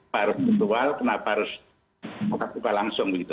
harus berdua kenapa harus langsung